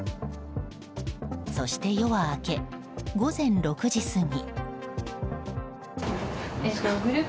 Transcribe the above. そして夜は明け午前６時過ぎ。